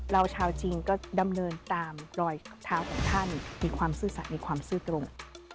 ชาวจีนก็ดำเนินตามรอยเท้าของท่านมีความซื่อสัตว์มีความซื่อตรง